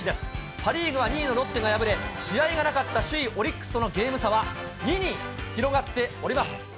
パ・リーグは２位のロッテが敗れ、試合がなかった首位オリックスとのゲーム差は２に広がっております。